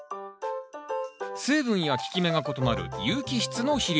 成分や効き目が異なる有機質の肥料。